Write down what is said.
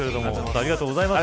ありがとうございます。